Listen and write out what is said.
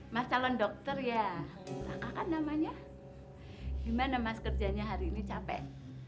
mas calon dokter ya kakak kan namanya gimana mas kerjanya hari ini capek